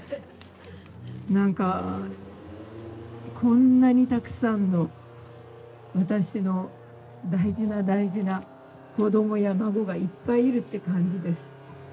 何かこんなにたくさんの私の大事な大事な子供や孫がいっぱいいるって感じです。